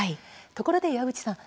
ところで岩渕さん